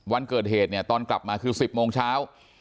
วันเกิดเหตุเนี่ยตอนกลับมาคือ๑๐โมงเช้า